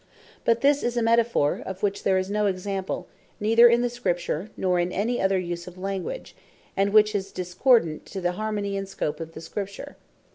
But this is a Metaphor, of which there is no example, neither in the Scripture, nor in any other use of language; and which is also discordant to the harmony, and scope of the Scripture.